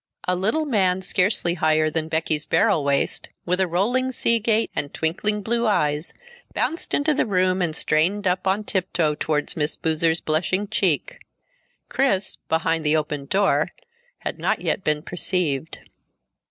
A little man scarcely higher than Becky's barrel waist, with a rolling sea gait and twinkling blue eyes, bounced into the room and strained up on tiptoe toward Miss Boozer's blushing cheek. Chris, behind the opened door, had not yet been perceived.